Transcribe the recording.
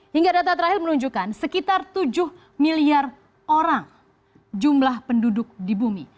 hingga data terakhir menunjukkan sekitar tujuh miliar orang jumlah penduduk di bumi